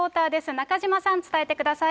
中島さん、伝えてください。